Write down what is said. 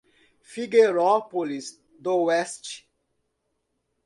Figueirópolis d'Oeste